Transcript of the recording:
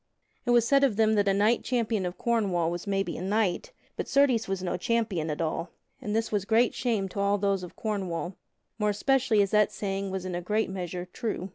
It was said of them that a knight champion of Cornwall was maybe a knight, but certes was no champion at all; and this was great shame to all those of Cornwall, more especially as that saying was in a great measure true.